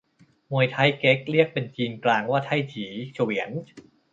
มวยไท่เก๊ก เรียกเป็นจีนกลางว่าไท่จี๋เฉวียน